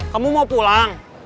kamu mau pulang